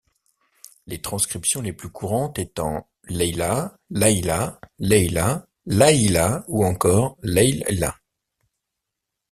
Les transcriptions les plus courantes étant Leila, Layla, Laila, Laïla ou encore Leilla.